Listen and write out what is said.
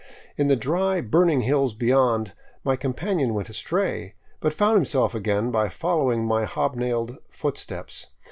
In the dry, burning hills beyond, my companion went astray, but found himself again by fol lowing my hob nailed footsteps.